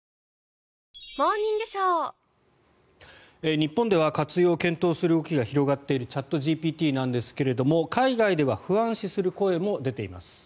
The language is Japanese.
日本では活用を検討する動きが広がっているチャットＧＰＴですが海外では不安視する声も出ています。